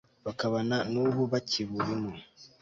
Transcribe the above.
bakaba na n'ubu bakiburimo